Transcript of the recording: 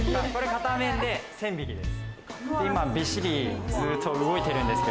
片面で１０００匹です。